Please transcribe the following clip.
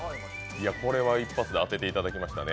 これは一発で当てていただきまして。